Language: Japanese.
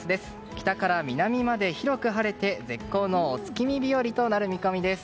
北から南まで広く晴れて、絶好のお月見日和となる見込みです。